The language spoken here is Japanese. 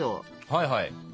はいはい。